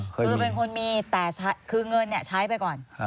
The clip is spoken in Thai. คือเป็นคนมีแต่คือเงินใช้ไปก่อน